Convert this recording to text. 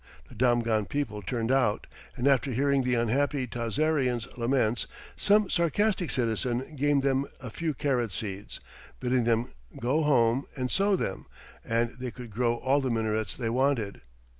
The Damghan people turned out, and after hearing the unhappy Tazarians' laments, some sarcastic citizen gave them a few carrot seeds, bidding them go home and sow them, and they could grow all the minarets they wanted.